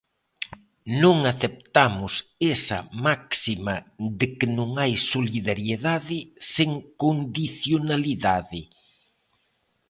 Non aceptamos esa máxima de que non hai solidariedade sen condicionalidade.